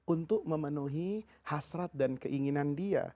untuk memenuhi hasrat dan keinginan dia